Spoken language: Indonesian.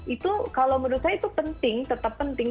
itu kalau menurut saya itu penting tetap penting